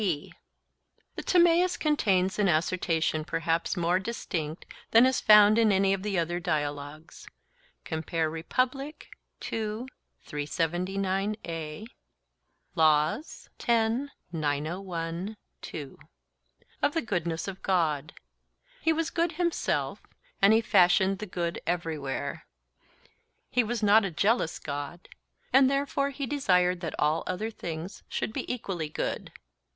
(b) The Timaeus contains an assertion perhaps more distinct than is found in any of the other dialogues (Rep.; Laws) of the goodness of God. 'He was good himself, and he fashioned the good everywhere.' He was not 'a jealous God,' and therefore he desired that all other things should be equally good.